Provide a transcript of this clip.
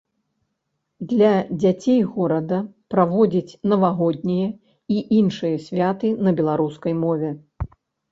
Для дзяцей горада праводзіць навагоднія і іншыя святы на беларускай мове.